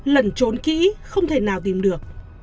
lẩn trốn kĩ không thể nào tìm được